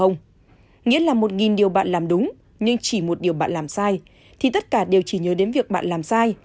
nghĩa là một điều bạn làm đúng nhưng chỉ một điều bạn làm sai thì tất cả đều chỉ nhớ đến việc bạn làm sai